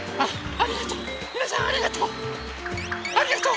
ありがとう。